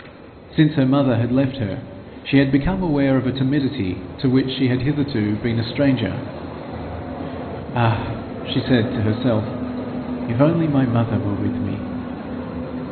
Since her mother left her, she had become aware of a timidity to which she had hitherto been a stranger. 'Ah!' she said to herself, 'if only my mother were with me!'